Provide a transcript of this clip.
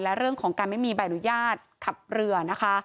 และเรื่องของการไม่มีใบอนุญาตขับเรือนะคะ